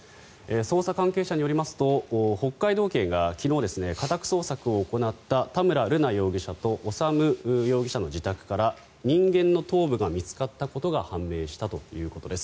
捜査関係者によりますと北海道警が昨日家宅捜索を行った田村瑠奈容疑者と修容疑者の自宅から人間の頭部が見つかったことが判明したということです。